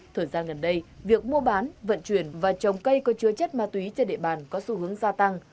thời gian gần đây việc mua bán vận chuyển và trồng cây có chứa chất ma túy trên địa bàn có xu hướng gia tăng